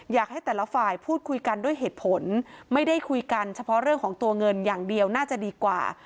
อยากให้แต่ละฝ่ายพูดคุยกันด้วยเหตุผลไม่ได้คุยกันเฉพาะเรื่องของตัวเงินอย่างเดียวน่าจะดีกว่า